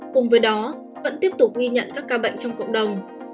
cùng với đó vẫn tiếp tục ghi nhận các ca bệnh trong cộng đồng